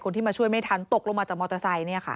คนที่มาช่วยไม่ทันตกลงมาจากมอเตอร์ไซค์